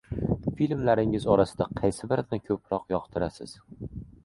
Filmlaringiz orasida qaysi birini ko‘proq yoqtirasiz?